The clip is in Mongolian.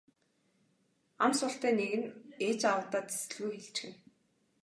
Ам султай нэг нь ээж аавдаа тэсгэлгүй хэлчихнэ.